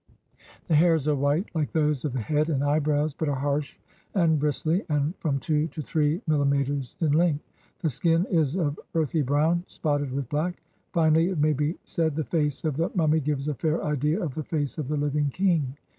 The hairs are white, like those of the head and eyebrows, but are harsh and bristly, and from two to three milli meters in length. The skin is of earthy brown, spotted with black. Finally, it may be said the face of the mummy gives a fair idea of the face of the living king.